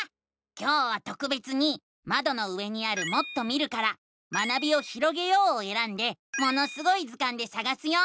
今日はとくべつにまどの上にある「もっと見る」から「学びをひろげよう」をえらんで「ものすごい図鑑」でさがすよ。